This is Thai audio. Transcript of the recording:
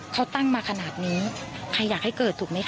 เขาตั้งมาขนาดนี้ใครอยากให้เกิดถูกไหมค